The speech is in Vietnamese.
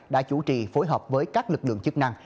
đã chủ trì phối hợp với các lực lượng chức năng